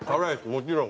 「もちろん」。